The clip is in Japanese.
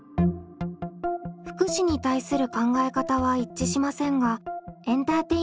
「福祉」に対する考え方は一致しませんがエンターテインメントに興味があるのは同じ